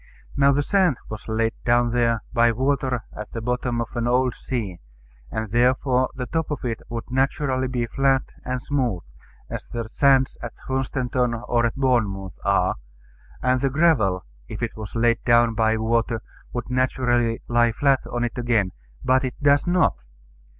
Now the sand was laid down there by water at the bottom of an old sea; and therefore the top of it would naturally be flat and smooth, as the sands at Hunstanton or at Bournemouth are; and the gravel, if it was laid down by water, would naturally lie flat on it again: but it does not.